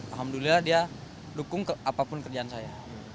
alhamdulillah dia dukung apapun kerjaan saya